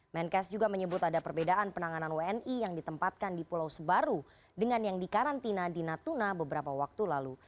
menkes juga menyebut ada perbedaan penanganan wni yang ditempatkan di pulau sebaru dengan yang dikarantina di natuna beberapa waktu lalu